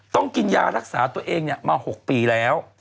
ต้องกินยารักษาตัวเองมา๖ปีแล้ว